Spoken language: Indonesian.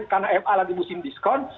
karena ma lagi musim diskon